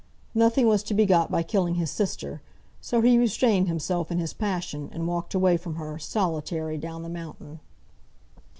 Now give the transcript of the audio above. Nothing was to be got by killing his sister. So he restrained himself in his passion, and walked away from her, solitary, down the mountain.